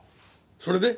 それで？